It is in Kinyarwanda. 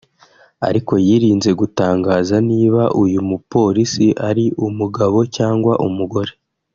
ariko yirinze gutangaza niba uyu mupolisi ari umugabo cyangwa umugore